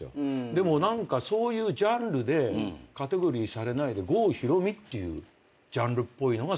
でもそういうジャンルでカテゴリーされないで郷ひろみっていうジャンルっぽいのがすごかった。